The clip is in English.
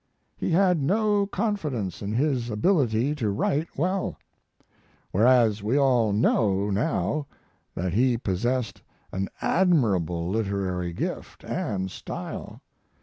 He had no confidence in his ability to write well; whereas we all know now that he possessed an admirable literary gift and style.